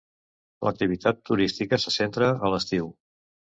L'activitat turística se centra a l'estiu.